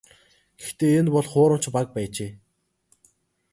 Гэхдээ энэ бол хуурамч баг байжээ.